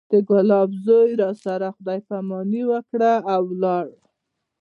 د ګلاب زوى راسره خداى پاماني وکړه او ولاړ.